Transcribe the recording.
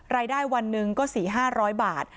รายได้วันนึงก็สี่ห้าร้อยบาท